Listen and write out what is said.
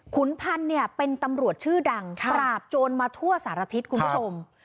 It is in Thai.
ขุนพันธ์เนี่ยเป็นตำรวจชื่อดังปราบโจรมาทั่วสารทิศคุณผู้ชม